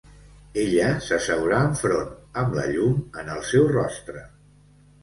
Ella s'asseurà enfront, amb la llum en el seu rostre.